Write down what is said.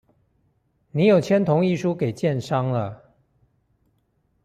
你有簽同意書給建商了